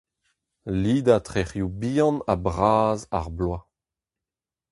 Lidañ trec'hioù bihan ha bras ar bloaz.